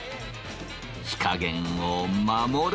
火加減を守れば。